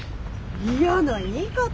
嫌な言い方。